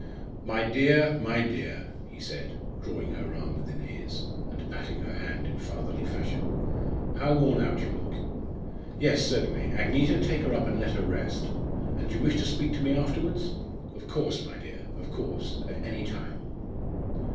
"My dear! my dear!" he said, drawing her arm within his, and patting her hand in fatherly fashion. "How worn out you look! Yes, certainly Agneta, take her up and let her rest And you wish to speak to me afterwards? Of course, my dear, of course at any time."